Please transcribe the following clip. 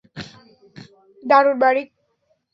দারুণ, মানিক!